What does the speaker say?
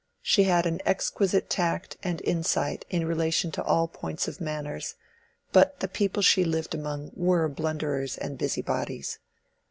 She had an exquisite tact and insight in relation to all points of manners; but the people she lived among were blunderers and busybodies.